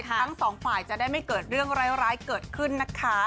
ทั้งสองฝ่ายจะได้ไม่เกิดเรื่องร้ายเกิดขึ้นนะคะ